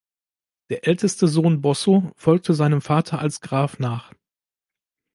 Der älteste Sohn Boso folgte seinem Vater als Graf nach.